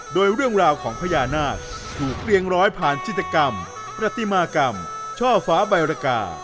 โดยเรื่องราวของพญานาคถูกเรียงร้อยผ่านจิตกรรมประติมากรรมช่อฟ้าใบรกา